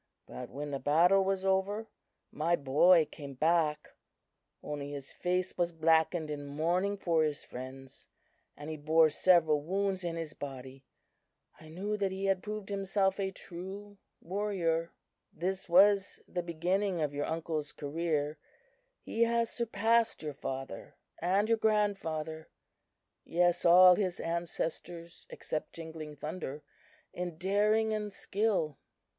But when the battle was over, my boy came back; only his face was blackened in mourning for his friends, and he bore several wounds in his body. I knew that he had proved himself a true warrior. "This was the beginning of your uncle's career, He has surpassed your father and your grandfather; yes, all his ancestors except Jingling Thunder, in daring and skill."